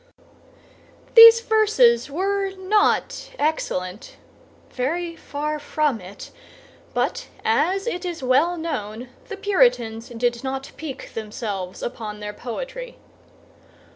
These verses were not excellent—very far from it; but as it is well known, the Puritans did not pique themselves upon their poetry.